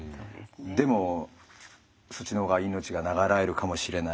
でもそっちのほうが命が長らえるかもしれない。